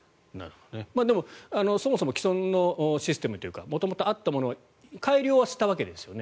でも、そもそも既存のシステムというか元々あったものを改良はしたわけですよね。